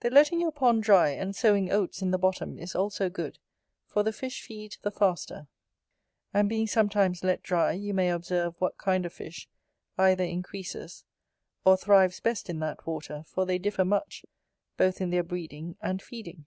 The letting your pond dry and sowing oats in the bottom is also good, for the fish feed the faster; and being sometimes let dry, you may observe what kind of fish either increases or thrives best in that water; for they differ much, both in their breeding and feeding.